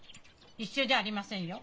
一緒じゃありませんよ。